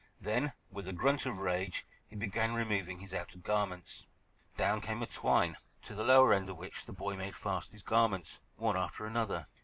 Then, with a grunt of rage, he began removing his outer garments. Down came a twine, to the lower end of which the boy made fast his garments, one after another.